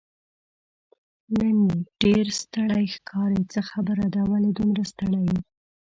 نن ډېر ستړی ښکارې، څه خبره ده، ولې دومره ستړی یې؟